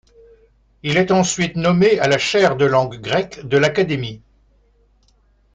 Il est ensuite nommé à la chaire de langue grecque de l'académie.